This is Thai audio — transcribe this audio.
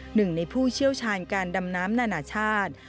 หนึ่งในผู้เชี่ยวชาญการดำน้ำนานาชาติ